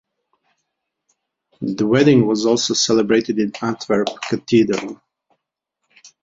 The wedding was also celebrated in Antwerp Cathedral.